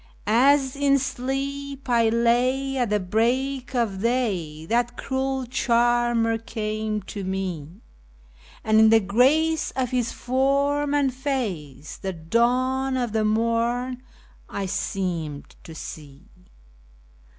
As in sleep I lay at the break of day that cruel charmer came to me, And in the grace of his form and face the dawn of the morn I seemed to see.